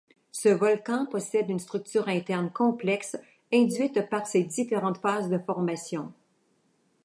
Ce volcan possède une structure interne complexe induite par ses différentes phases de formation.